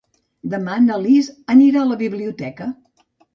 Demà na Lis anirà a la biblioteca.